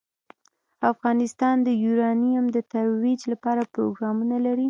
افغانستان د یورانیم د ترویج لپاره پروګرامونه لري.